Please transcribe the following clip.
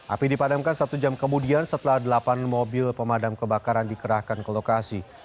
api dipadamkan satu jam kemudian setelah delapan mobil pemadam kebakaran dikerahkan ke lokasi